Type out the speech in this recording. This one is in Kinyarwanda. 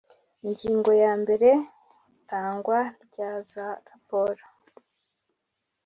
Ingingo ya mbere Itangwa rya za raporo